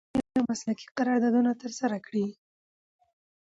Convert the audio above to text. قانوني او مسلکي قراردادونه ترسره کړي